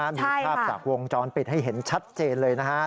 มีภาพจากวงจรปิดให้เห็นชัดเจนเลยนะฮะ